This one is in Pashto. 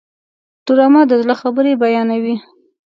ډرامه د زړه خبرې بیانوي